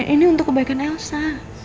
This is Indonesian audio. ini untuk kebaikan elsa